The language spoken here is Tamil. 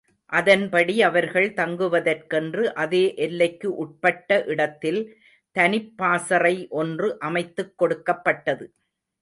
அதன்படி அவர்கள் தங்குவதற்கென்று அதே எல்லைக்கு உட்பட்ட இடத்தில் தனிப்பாசறை ஒன்று அமைத்துக் கொடுக்கப் பட்டது.